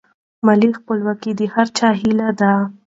مالي خپلواکي د هر چا هیله ده.